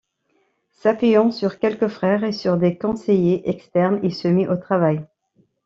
S'appuyant sur quelques frères et sur des conseillers externes il se mit au travail.